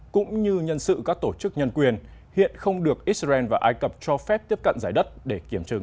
cũng như nhân sự các tổ chức nhân quyền hiện không được israel và ai cập cho phép tiếp cận giải đất để kiểm chứng